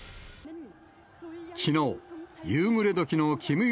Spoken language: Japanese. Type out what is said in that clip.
きのう、夕暮れどきの金日